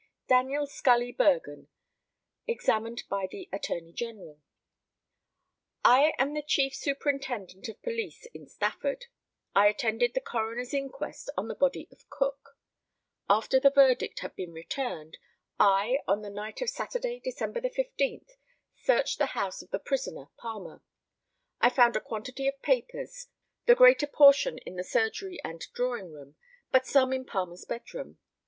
DANIEL SCULLY BERGEN, examined by the ATTORNEY GENERAL: I am the chief superintendent of police in Stafford. I attended the coroner's inquest on the body of Cook. After the verdict had been returned, I, on the night of Saturday, December 15, searched the house of the prisoner Palmer. I found a quantity of papers, the greater portion in the surgery and drawing room, but some in Palmer's bedroom.